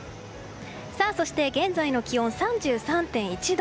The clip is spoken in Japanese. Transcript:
そして、現在の気温３３．１度。